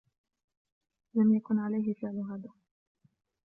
لم يكن عليه فعل هذا.